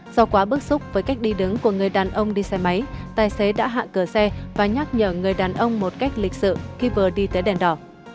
do quá bức xúc với cách đi đứng của người đàn ông đi xe máy tài xế đã hạ cờ xe và nhắc nhở người đàn ông một cách lịch sự khi vừa đi tới đèn đỏ